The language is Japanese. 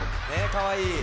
かわいい。